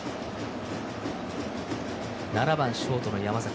７番・ショートの山崎。